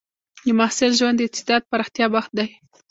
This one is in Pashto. د محصل ژوند د استعداد پراختیا وخت دی.